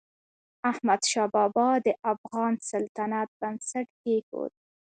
احمدشاه بابا د افغان سلطنت بنسټ کېښود.